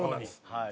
はい。